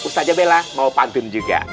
ustazah bella mau pantun juga